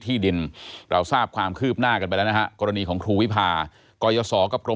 ยาท่าน้ำขาวไทยนครเพราะทุกการเดินทางของคุณจะมีแต่รอยยิ้ม